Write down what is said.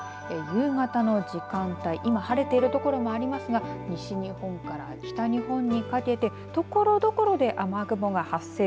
夕方の時間帯、今晴れている所もありますが西日本から北日本にかけてところどころで雨雲が発生。